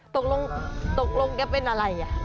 ตกลงแกเป็นอะไร